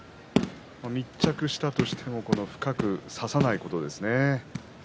密着したとしても深く差さないことですね。